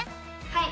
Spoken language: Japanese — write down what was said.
はい！